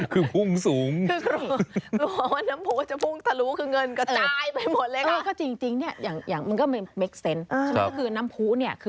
คือพุ่งสูง